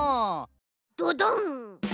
ドドン！